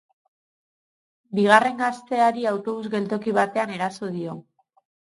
Bigarren gazteari autobus geltoki batean eraso dio.